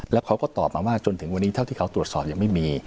แล้วเขาก็ตอบมาว่าจนถึงวันนี้เท่าที่เขาตรวจสอบยังไม่มี